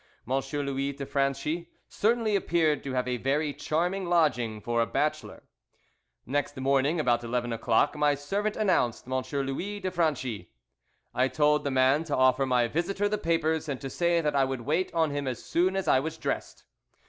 M. Louis de Franchi certainly appeared to have a very charming lodging for a bachelor. Next morning, about eleven o'clock, my servant announced M. Louis de Franchi. I told the man to offer my visitor the papers and to say that I would wait on him as soon as I was dressed.